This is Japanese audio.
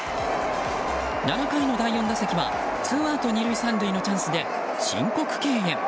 ７回の第４打席はツーアウト２塁３塁のチャンスで申告敬遠。